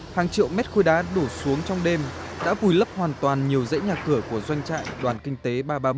hàng triệu mét khối đá đổ xuống trong đêm đã vùi lấp hoàn toàn nhiều dãy nhà cửa của doanh trại đoàn kinh tế ba trăm ba mươi bảy